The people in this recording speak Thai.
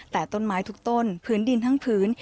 แต่ต้นไม้ทุกต้นพื้นดินทั้งพื้น